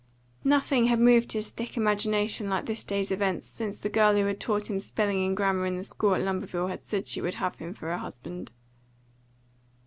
Nothing had moved his thick imagination like this day's events since the girl who taught him spelling and grammar in the school at Lumberville had said she would have him for her husband.